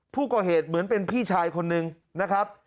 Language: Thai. ผู้ก่อเหตุเหมือนเป็นพี่ชายคนหนึ่งนะครับ